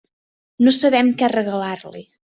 No sabem què regalar-li.